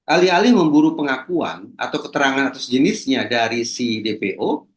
alih alih memburu pengakuan atau keterangan atau sejenisnya dari si dpo